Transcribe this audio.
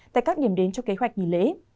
tại các điểm đến cho kế hoạch nghỉ lễ